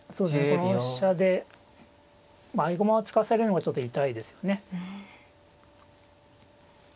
この飛車で合駒を使わされるのがちょっと痛いですよね。